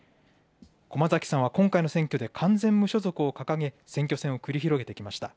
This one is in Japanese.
駒崎さんは今回の選挙で完全無所属を掲げ、選挙戦を繰り広げていきました。